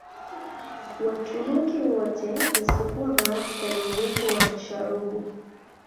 Waturuki wote isipokuwa maafisa ni uwepo wa masharubu